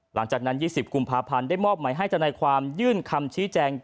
หลังจากนั้น๒๐กุมภาพันธ์ได้มอบหมายให้ธนายความยื่นคำชี้แจง